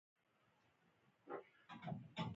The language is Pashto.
که چېرې هغه د اړتیا وړ استراحت ونه کړای شي